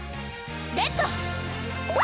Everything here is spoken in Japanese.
レッド！